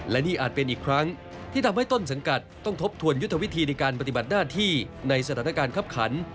และนี่อาจเป็นอีกครั้งที่ทำให้ต้นสังกัดต้องทบทวนยุทธวิธีในการปฏิบัติหน้าที่ในสถานการณ์คับขัน